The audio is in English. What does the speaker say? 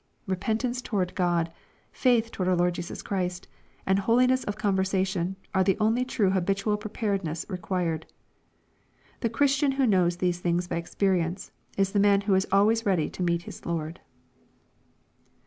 Repent ance toward God, faith toward our Lord Jesus Christ, and holiness of conversation, are the only, true habitual preparedness required. The Christian who knows these things by experience, is the man who is always ready to meet his Lord.